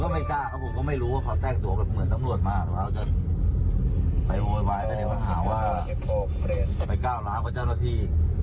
ไปก้าวตราบมันจะเจ้าหน้าที่